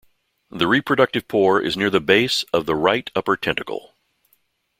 The reproductive pore is near the base of the right upper tentacle.